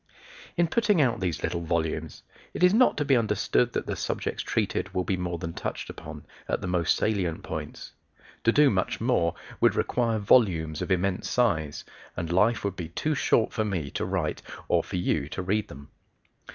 In putting out these little volumes, it is not to be understood that the subjects treated will be more than touched upon, at the most salient points. To do much more would require volumes of immense size, and life would be too short for me to write or for you to read them.